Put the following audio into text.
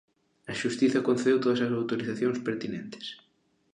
A xustiza concedeu todas as autorizacións pertinentes.